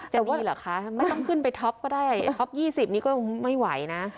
แต่ว่าแต่นี่หรอคะไม่ต้องขึ้นไปท็อปก็ได้ท็อปยี่สิบนี่ก็ไม่ไหวนะ